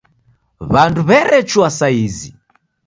W'andu werechua sa izi.